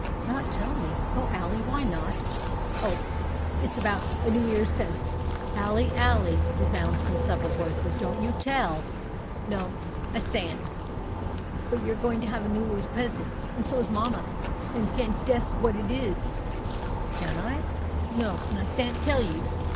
"Not tell me! O Ally! Why not?" "O, it's about a New 'Ear's pes " "Ally, Ally," resounds from several voices, "don't you tell." "No, I s'ant but you are going to have a New 'Ear's pesant, and so is mamma, and you can't dess what it is." "Can't I?" "No, and I s'ant tell you."